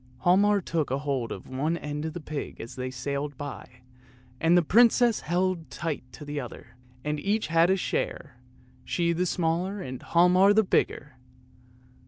Hialmar took hold of one end of the pig as they sailed by, and the prin cess held the other tight, and each had a share, she the smaller and Hialmar the bigger!